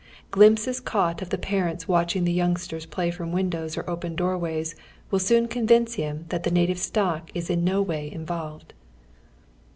Glimpses canght of the parents watching tlie youngsters play from windows or open doorways will soon convince him that the native stock is in uo way involved.